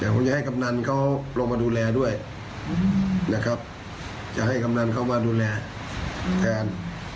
ผมจะให้กำนันเขาลงมาดูแลด้วยนะครับจะให้กำนันเข้ามาดูแลแทน